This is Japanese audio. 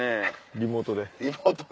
リモートで。